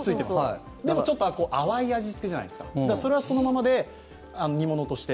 でも、淡い味付けじゃないですかそれはそのままで、煮物として。